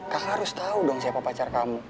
kakak harus tau dong siapa pacar kamu